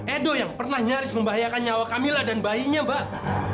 edo yang pernah nyaris membahayakan nyawa kamila dan bayinya mbak